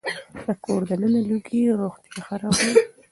د کور دننه لوګي روغتيا خرابوي.